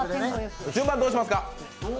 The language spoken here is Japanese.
順番どうしますか？